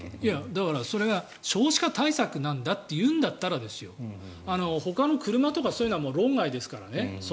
だから、それが少子化対策なんだって言うんだったらほかの車とかそういうものは論外ですからね。